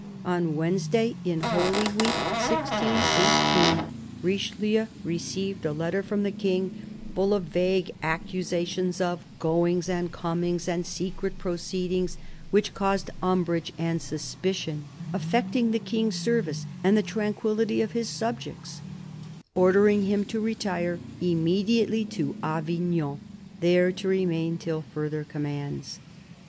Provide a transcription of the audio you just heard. On Wednesday in Holy Week, 1618, Richelieu received a letter from the King full of vague accusations of "goings io8 CARDINAL DE RICHELIEU and comings and secret proceedings which caused umbrage and suspicion, affecting the King's service and the tran quillity of his subjects," ordering him to retire immediately to Avignon, there to remain till further commands.